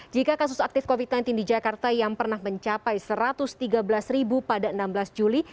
jika kasus aktif covid sembilan belas di jakarta yang pernah mencapai satu ratus tiga belas ribu pada enam belas juli